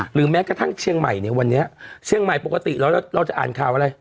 แม้กระทั่งเชียงใหม่ในวันนี้เชียงใหม่ปกติแล้วเราจะอ่านข่าวอะไร